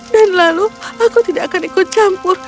dan lalu aku tidak akan ikut campur